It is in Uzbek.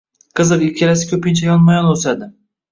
Qiziq, ikkalasi ko’pincha yonma-yon o’sadi.